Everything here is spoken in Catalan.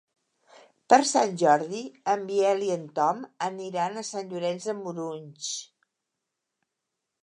Per Sant Jordi en Biel i en Tom aniran a Sant Llorenç de Morunys.